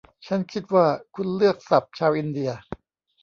ฉันคิดว่าคุณเลือกศัพท์ชาวอินเดีย